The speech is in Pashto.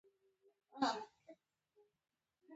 مظلوم د بقا لپاره ذهن بدلوي.